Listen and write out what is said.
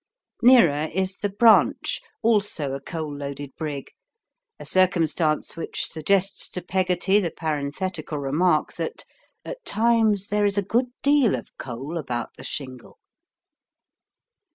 Nearer is the Branch, also a coal loaded brig, a circumstance which suggests to Peggotty the parenthetical remark that "at times there is a good deal of coal about the shingle."